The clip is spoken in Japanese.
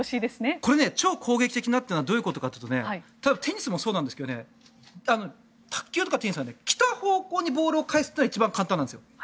これ超攻撃的なというのはどういうことかというとテニスもそうなんですが卓球とかテニスは来た方向にボールを返すというのは一番簡単なんです。